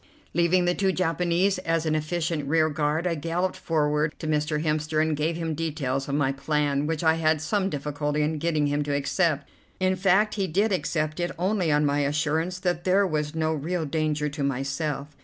Leaving the two Japanese as an efficient rearguard, I galloped forward to Mr. Hemster, and gave him details of my plan, which I had some difficulty in getting him to accept. In fact he did accept it only on my assurance that there was no real danger to myself.